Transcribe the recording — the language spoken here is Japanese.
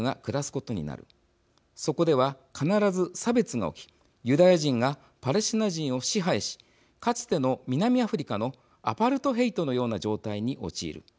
そこでは必ず差別が起きユダヤ人がパレスチナ人を支配しかつての南アフリカのアパルトヘイトのような状態に陥る。